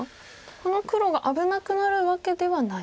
この黒が危なくなるわけではない。